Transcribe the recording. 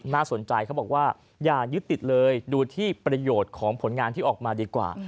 น่าสนใจเขาบอกว่าอย่ายึดติดเลยดูที่ประโยชน์ของผลงานที่ออกมาดีกว่า